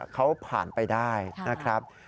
เขาผ่านไปได้นะครับ